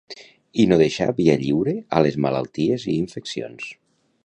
I no deixar via lliure a les malalties i infeccions.